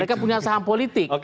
mereka punya saham politik